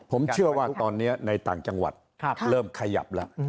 ผมเชื่อว่าตอนนี้ในต่างจังหวัดเริ่มขยับแล้ว